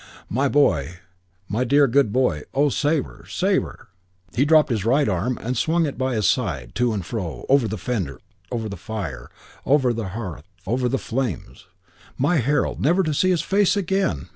"My boy. My dear, good boy. Oh, Sabre, Sabre!" He dropped his right arm and swung it by his side; to and fro; over the fender over the fire; over the hearth over the flames. "My Harold. Never to see his face again!